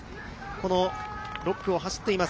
この６区を走っています